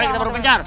mari kita berpencar